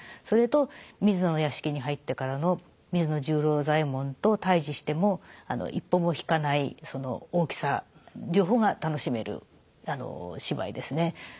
それと水野の屋敷に入ってからの水野十郎左衛門と対峙しても一歩も引かないその大きさ両方が楽しめる芝居ですね。